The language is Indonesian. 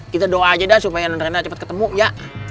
kita doa aja dah supaya londrena cepet ketemu ya